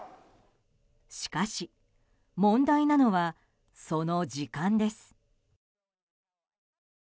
しかし、問題なのはその時間です。